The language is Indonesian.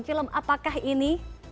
film apakah ini